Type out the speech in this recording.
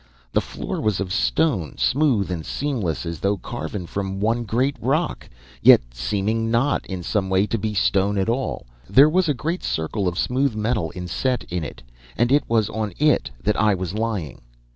The floor was of stone, smooth and seamless as though carven from one great rock, yet seeming not, in some way, to be stone at all. There was a great circle of smooth metal inset in it, and it was on it that I was lying.